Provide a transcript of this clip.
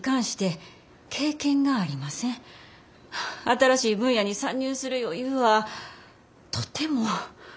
新しい分野に参入する余裕はとても。